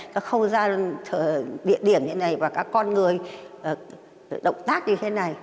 các không gian địa điểm như này và các con người động tác như thế này